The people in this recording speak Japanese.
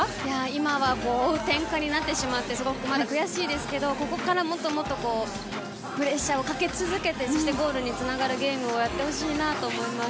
今は追う展開になってしまって悔しいですけどここからもっとプレッシャーをかけ続けてそしてゴールにつながるゲームをしてほしいです。